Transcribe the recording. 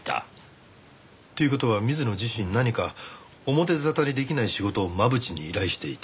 という事は水野自身何か表沙汰に出来ない仕事を真渕に依頼していた。